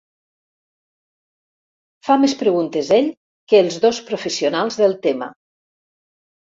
Fa més preguntes ell que els dos professionals del tema.